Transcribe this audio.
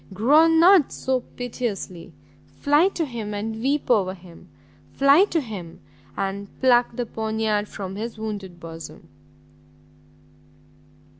groan not so piteously! fly to him, and weep over him! fly to him and pluck the poniard from his wounded bosom!"